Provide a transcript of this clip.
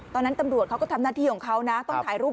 ตำรวจเขาก็ทำหน้าที่ของเขานะต้องถ่ายรูป